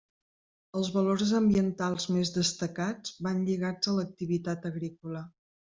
Els valors ambientals més destacats van lligats a l'activitat agrícola.